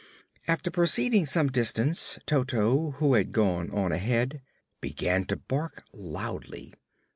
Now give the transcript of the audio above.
After proceeding some distance, Toto, who had gone on ahead, began to bark loudly.